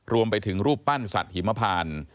รวมไปถึงรูปปั้นสัตว์หิมพาน